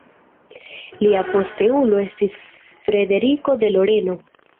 Lia posteulo estis Frederiko de Loreno.